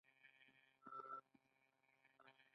ایا زه باید د غنمو ډوډۍ وخورم؟